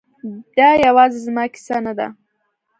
دا یوازې زما کیسه نه ده